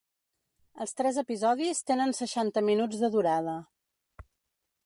Els tres episodis tenen seixanta minuts de durada.